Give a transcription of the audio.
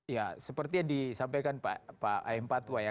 ya seperti yang disampaikan pak aem patwa ya